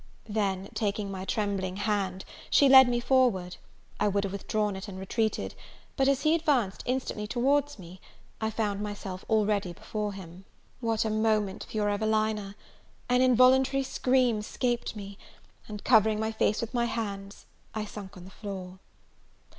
Then, taking my trembling hand, she led me forward. I would have withdrawn it and retreated; but, as he advanced instantly towards me, I found myself already before him. What a moment for your Evelina an involuntary scream escaped me, and, covering my face with my hands, I sunk on the floor.